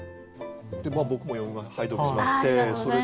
僕も拝読しまして。